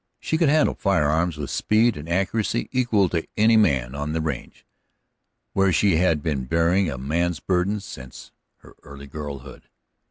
She could handle firearms with speed and accuracy equal to any man on the range, where she had been bearing a man's burden since her early girlhood.